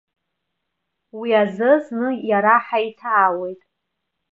Уи азы зны иара ҳаиҭаауеит.